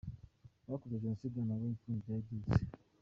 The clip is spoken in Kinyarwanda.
Abakoze Jenoside na bo ipfunwe ryari ryose.